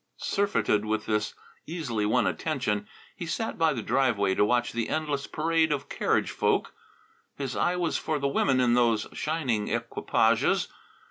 Surfeited with this easily won attention, he sat by the driveway to watch the endless parade of carriage folk. His eye was for the women in those shining equipages.